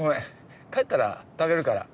帰ったら食べるから。